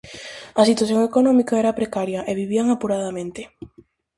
A situación económica era precaria e vivían apuradamente.